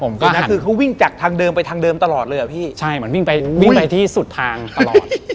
มั่นก็วิ่งจากทางเดิมไปทางเดิมตลอดเลยอ่ะพี่อุ้ยใช่มันวิ่งไปที่สุดทางตลอด